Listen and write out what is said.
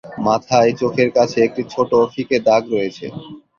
মাথায় চোখের কাছে একটি ছোট ফিকে দাগ রয়েছে।